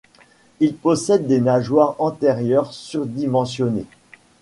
Il possède des nageoires antérieures surdimensionnées.